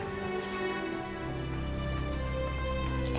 iya gak apa apa tante